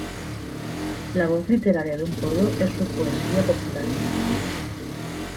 La voz literaria de un pueblo es su poesía popular.